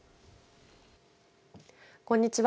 こんにちは。